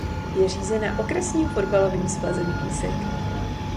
Je řízena Okresním fotbalovým svazem Písek.